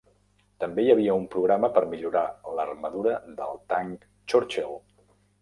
També hi havia un programa per millorar l'armadura del tanc Churchill.